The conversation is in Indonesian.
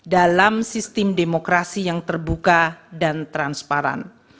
dalam sistem demokrasi yang terbuka dan transparan